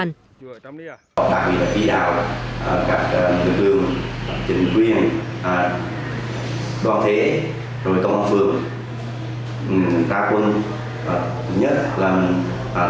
tạm biệt là kỹ đạo các đối tượng chính quyền đoàn thể rồi công phường tác quân nhất